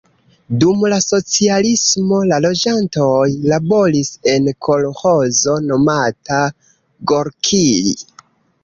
Dum la socialismo la loĝantoj laboris en kolĥozo nomata Gorkij.